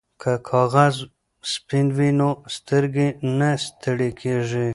که کاغذ سپین وي نو سترګې نه ستړې کیږي.